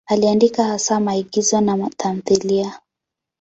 Aliandika hasa maigizo na tamthiliya.